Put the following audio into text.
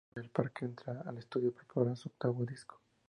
En diciembre, El Parque entra al estudio para preparar su octavo disco.